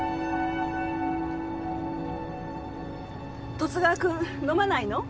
十津川君飲まないの？